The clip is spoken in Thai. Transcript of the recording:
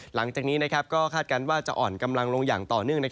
หลังจากนี้ก็คาดการณ์ว่าจะอ่อนกำลังลงอย่างต่อเนื่อง